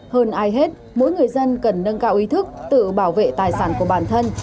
hơn ai hết mỗi người dân cần nâng cao ý thức tự bảo vệ tài sản của bản thân